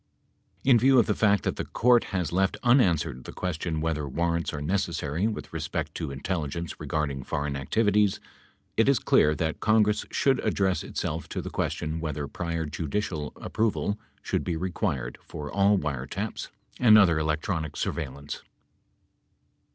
In view of the fact that the Court has left unanswered the question whether warrants are necessary with respect to intelligence regarding foreign activities, it is clear that Congress should address itself to the question whether prior judicial approval should be required for all wiretaps and other electronic surveillance.